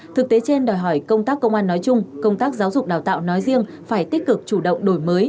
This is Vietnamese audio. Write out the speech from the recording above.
thực tế trên đòi hỏi công tác công an nói chung công tác giáo dục đào tạo nói riêng phải tích cực chủ động đổi mới